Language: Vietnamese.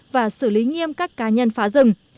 và xử lý nghiêm các cá nhân phá rừng